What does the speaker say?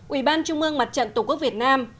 ủy ban trung ương mặt trận tổ quốc việt nam